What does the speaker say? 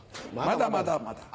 まだまだまだ。